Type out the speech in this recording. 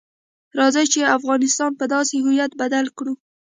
راځئ چې افغانستان په داسې هویت بدل کړو.